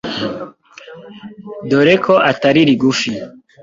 dore ko atari rigufi.